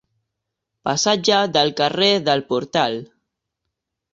Passatge del carrer del Portal.